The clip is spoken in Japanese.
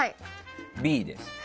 Ｂです。